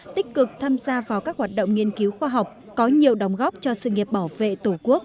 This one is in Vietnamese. tích cực tham gia vào các hoạt động nghiên cứu khoa học có nhiều đóng góp cho sự nghiệp bảo vệ tổ quốc